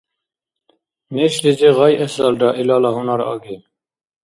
Нешлизи гъайэсалра илала гьунар аги.